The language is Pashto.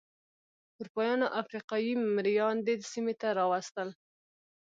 اروپایانو افریقايي مریان دې سیمې ته راوستل.